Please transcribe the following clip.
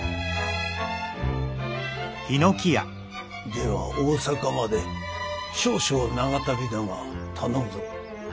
では大坂まで少々長旅だが頼むぞ。